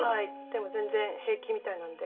でも全然平気みたいなんで。